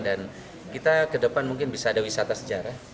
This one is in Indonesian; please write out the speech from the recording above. dan kita ke depan mungkin bisa ada wisata sejarah